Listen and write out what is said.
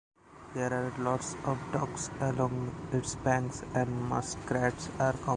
There are lots of ducks along its banks, and muskrats are common.